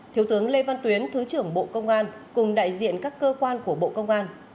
thiếu tướng lê văn tuyến thứ trưởng bộ công an cùng đại diện các cơ quan của bộ công an